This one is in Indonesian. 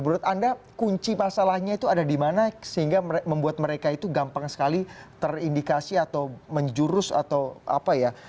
menurut anda kunci masalahnya itu ada di mana sehingga membuat mereka itu gampang sekali terindikasi atau menjurus atau apa ya